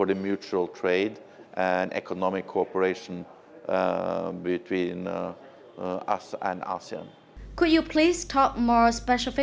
chúng tôi vẫn đang trong phần đầu tiên của hợp tác của chúng tôi